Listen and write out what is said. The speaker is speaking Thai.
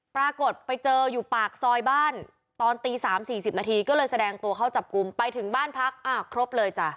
ปรากฏไปเจออยู่ปากซอยบ้านตอนตี๓๔๐นาทีก็เลยแสดงตัวเข้าจับกลุ่มไปถึงบ้านพักอ้าวครบเลยจ้ะ